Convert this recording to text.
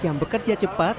yang bekerja cepat